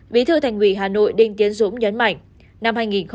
bí thư thành quỷ hà nội đinh tiến dũng nhấn mạnh